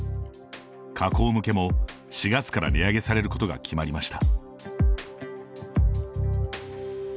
加工向けも、４月から値上げされることが決まりました。